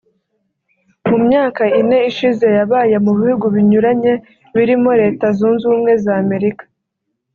mu myaka ine ishize yabaye mu bihugu binyuranye birimo Leta Zunze Ubumwe za Amerika